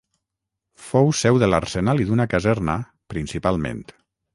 Fou seu de l'arsenal i d'una caserna, principalment.